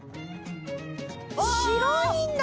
白いんだ！